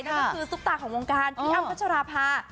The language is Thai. นั่นก็คือซุปตาของวงการพี่อ้ำพัชราภา